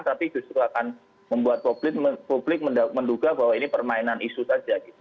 tapi justru akan membuat publik menduga bahwa ini permainan isu saja gitu